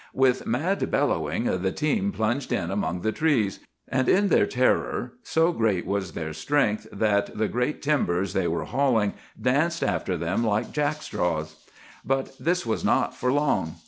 "With mad bellowing the team plunged in among the trees; and in their terror so great was their strength, that the great timbers they were hauling danced after them like jackstraws. But this was not for long.